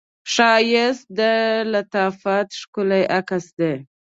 ښایست د لطافت ښکلی عکس دی